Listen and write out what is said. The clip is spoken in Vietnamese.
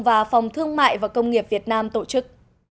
và phòng thương mại và công nghiệp việt nam tổ chức